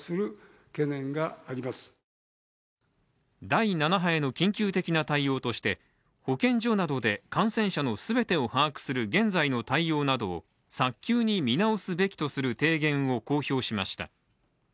第７波への緊急的な対応として保健所などで、感染者の全てを把握する、現在の対応などを早急に見直すべきとする提言を公表しました。